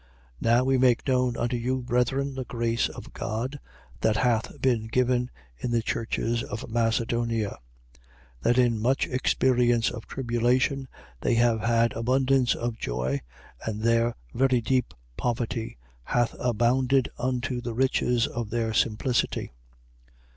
8:1. Now we make known unto you, brethren, the grace of God that hath been given in the churches of Macedonia. 8:2. That in much experience of tribulation, they have had abundance of joy and their very deep poverty hath abounded unto the riches of their simplicity.